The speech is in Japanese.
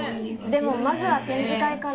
でもまずは展示会から。